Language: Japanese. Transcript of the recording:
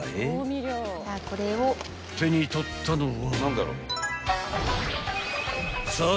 ［手に取ったのは］